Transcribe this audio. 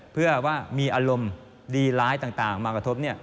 เพื่อว่ามีอารมณ์ดีร้ายต่างมากระทบ